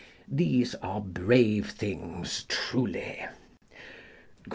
These are brave things truly.